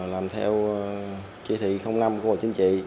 làm theo chế thị năm của bộ chính trị